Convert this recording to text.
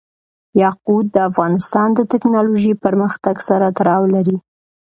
یاقوت د افغانستان د تکنالوژۍ پرمختګ سره تړاو لري.